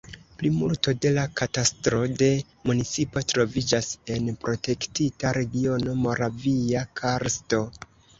Plimulto de la katastro de municipo troviĝas en protektita regiono Moravia karsto.